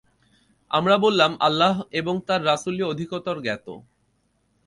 আমরা বললাম, আল্লাহ এবং তাঁর রাসূলই অধিকতর জ্ঞাত।